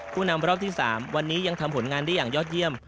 ผู้นำรอบที่๓วันนี้ยังทำผลงานได้อย่างยอดเยี่ยม